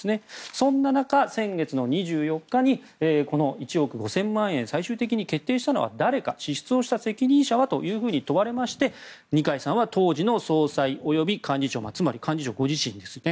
そんな中、先月２４日にこの１億５０００万円最終的に決定したのは誰か支出をした責任者は？と問われまして問われまして、二階さんは当時の総裁及び幹事長つまり幹事長、ご自身ですね